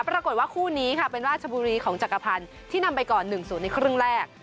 ปรากฏว่าคู่นี้ค่ะเป็นราชบุรีของจักรพันธ์ที่นำไปก่อน๑๐ในครึ่งแรก